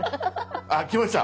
あっきました！